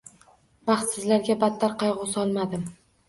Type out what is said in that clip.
Baxtsizlarga badtar qayg‘u solmadim.